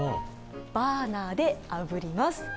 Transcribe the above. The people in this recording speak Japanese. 「ばーなーであぶります！」